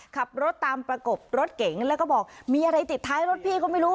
ขับรถตามประกบรถเก๋งแล้วก็บอกมีอะไรติดท้ายรถพี่ก็ไม่รู้